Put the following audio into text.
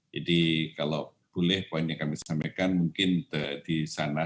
jadi kalau boleh poin yang kami sampaikan mungkin di sana